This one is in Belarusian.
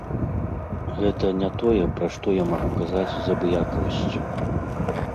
Гэта не тое, пра што я магу казаць з абыякавасцю.